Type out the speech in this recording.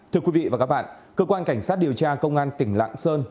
thưa quý vị và các bạn cơ quan cảnh sát điều tra công an tỉnh lạng sơn